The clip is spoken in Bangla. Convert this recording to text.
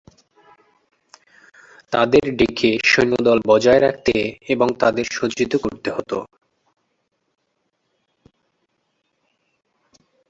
তাদের ডেকে সৈন্যদল বজায় রাখতে এবং তাদের সজ্জিত করতে হতো।